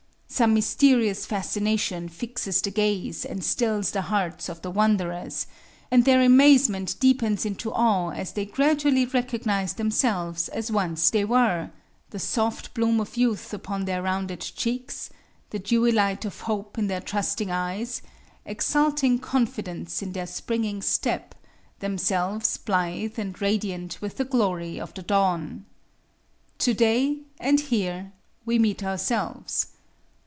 Some mysterious fascination fixes the gaze and stills the hearts of the wanderers, and their amazement deepens into awe as they gradually recognize themselves as once they were; the soft bloom of youth upon their rounded cheeks, the dewy light of hope in their trusting eyes, exulting confidence in their springing step, themselves blithe and radiant with the glory of the dawn. Today, and here, we meet ourselves.